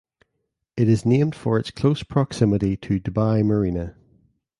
It is named for its close proximity to Dubai Marina.